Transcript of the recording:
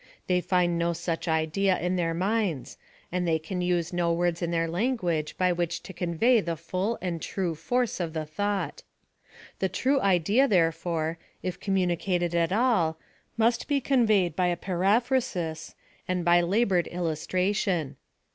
They find no such idea in their minds, and they can use no words in their language by which to convey the full and true force of the thought. The true idea, therefore, if communicated at all, must be conveyed by a periphrasis, and by labored illus tration.